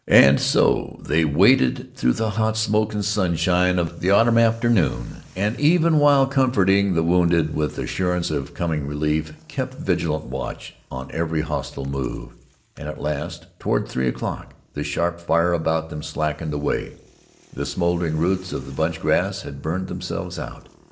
And so they waited through the hot smoke and sunshine of the autumn afternoon, and, even while comforting the wounded with assurance of coming relief, kept vigilant watch on every hostile move, and at last, toward three o'clock, the sharp fire about them slackened away, the smouldering roots of the bunch grass had burned themselves out.